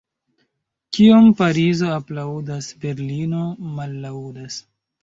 Kion Parizo aplaŭdas, Berlino mallaŭdas.